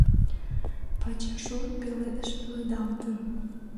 Пачашур пеледыш пеледалтын.